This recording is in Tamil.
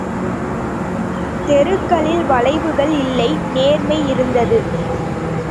தெருக்களில் வளைவுகள் இல்லை நேர்மை இருந்தது.